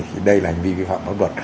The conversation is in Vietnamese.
thì đây là hành vi vi phạm pháp luật